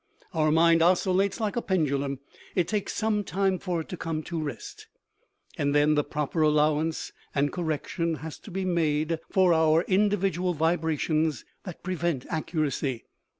Our mind oscillates like a pendulum: it takes some time for it to come to rest. And then, the proper allowance and correction has to be made for our individual vibrations that prevent accuracy.